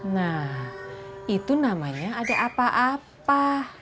nah itu namanya ada apa apa